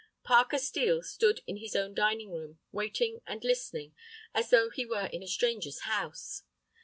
Parker Steel stood in his own dining room, waiting and listening, as though he were in a stranger's house.